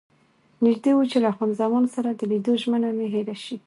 نژدې وو چې له خان زمان سره د لیدو ژمنه مې هېره شي.